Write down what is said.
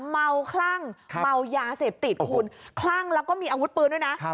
คลั่งเมายาเสพติดคุณคลั่งแล้วก็มีอาวุธปืนด้วยนะ